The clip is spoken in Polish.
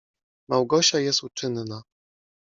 Małgosia jest uczynna.